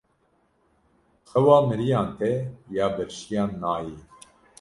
Xewa miriyan tê, ya birçiyan nayê.